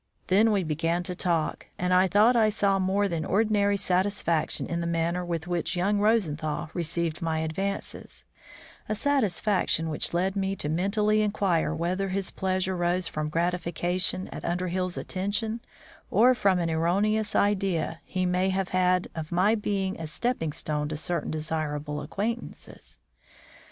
Then we began to talk, and I thought I saw more than ordinary satisfaction in the manner with which young Rosenthal received my advances, a satisfaction which led me to mentally inquire whether his pleasure rose from gratification at Underhill's attention or from any erroneous idea he may have had of my being a stepping stone to certain desirable acquaintances.